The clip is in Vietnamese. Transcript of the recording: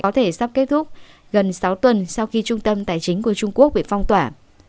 có thể sắp kết thúc gần sáu tuần sau khi trung tâm tài chính của trung quốc bị phong tỏa